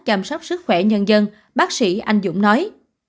chăm sóc sức khỏe nhân dân bác sĩ anh dũng nói